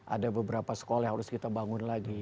ada beberapa sekolah yang harus kita bangun lagi